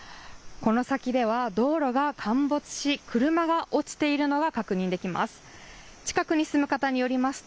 この先では道路が陥没し車が落ちているのが確認できます。